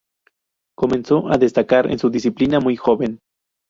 Comenzó a destacar en su disciplina muy joven.